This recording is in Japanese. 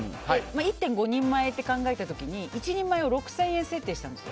１．５人前って考えた時に１人前を６０００円設定にしたんです。